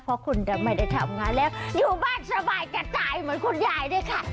เพราะคุณจะไม่ได้ทำงานแล้วอยู่บ้านสบายกระจายเหมือนคุณยายด้วยค่ะ